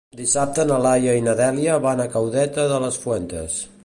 Dissabte na Laia i na Dèlia van a Caudete de las Fuentes.